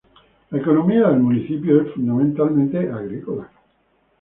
La economía del municipio es fundamentalmente agrícola.